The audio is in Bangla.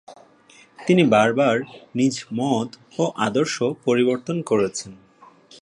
তিনি বারবার নিজ মত ও আদর্শ পরিবর্তন করেছেন।